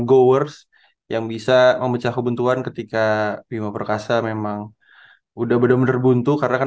gowers yang bisa memecah kebuntuan ketika bima perkasa memang udah bener bener buntu karena kan